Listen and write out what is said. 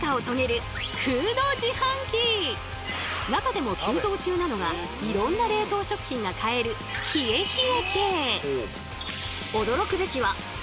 今中でも急増中なのがいろんな冷凍食品が買えるヒエヒエ系。